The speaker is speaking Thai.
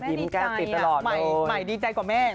ยิ้มแก้วติดตลอดเลยแม่ดีใจแม่ดีใจกว่าแม่นะ